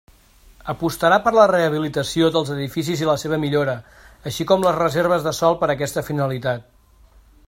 Apostarà per la rehabilitació dels edificis i la seva millora, així com les reserves de sòl per aquesta finalitat.